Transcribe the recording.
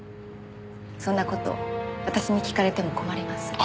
そんな事私に聞かれても困ります。